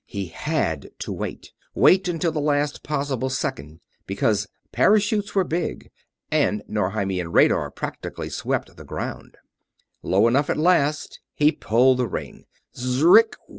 He had to wait wait until the last possible second because parachutes were big and Norheiman radar practically swept the ground. Low enough at last, he pulled the ring.